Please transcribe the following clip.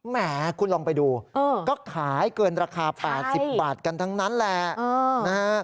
แหมคุณลองไปดูก็ขายเกินราคา๘๐บาทกันทั้งนั้นแหละนะฮะ